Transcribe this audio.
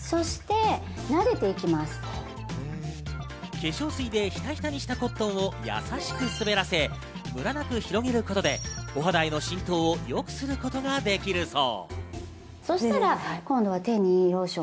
化粧水でひたひたにしたコットンを優しく滑らせ、ムラなく広げることでお肌への浸透を良くすることができるそう。